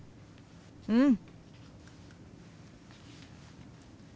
うん。